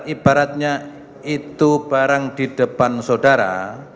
ibaratnya itu barang di depan saudara